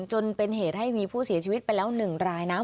จนเป็นเหตุให้มีผู้เสียชีวิตไปแล้ว๑รายนะ